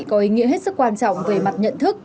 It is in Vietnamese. có ý nghĩa hết sức quan trọng về mặt nhận thức